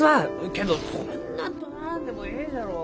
けんどそんなどならんでもえいじゃろう？